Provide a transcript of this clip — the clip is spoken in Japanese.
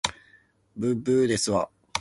ぶっぶーですわ